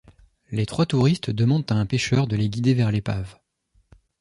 Les trois touristes demandent à un pêcheur de les guider vers l'épave.